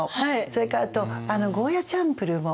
それからあとゴーヤチャンプルも。